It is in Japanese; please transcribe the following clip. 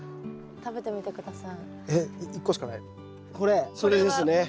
食べてみて下さい。